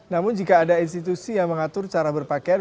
namun jika ada institusi yang mengatur cara berpakaian